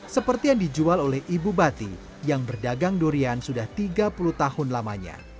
seperti yang dijual oleh ibu bati yang berdagang durian sudah tiga puluh tahun lamanya